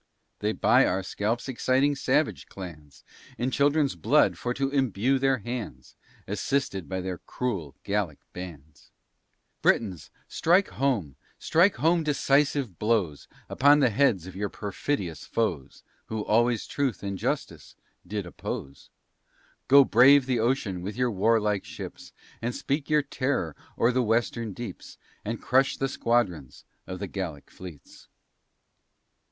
They buy our scalps exciting savage clans, In children's blood for to imbue their hands, Assisted by their cruel Gallic bands. Britains, strike home, strike home decisive blows Upon the heads of your perfidious foes, Who always truth and justice did oppose. Go brave the ocean with your war like ships, And speak your terror o'er the western deeps, And crush the squadrons of the Gallic fleets.